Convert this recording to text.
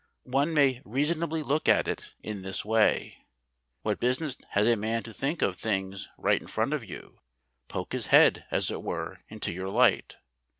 One may reasonably look at it in this way. What business has a man to think of things right in front of you, poke his head, as it were, into your light?